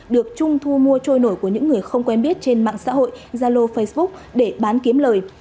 được trung thu mua trôi nổi của những người không quen biết trên mạng xã hội zalo facebook để bán kiếm lời